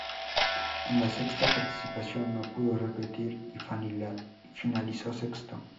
En la sexta participación no pudo repetir y finalizó sexto.